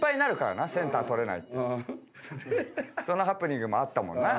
そのハプニングもあったもんな。